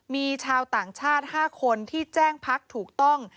มีชาวต่างชาติ๕คนที่แจ้งพักถูกต้อง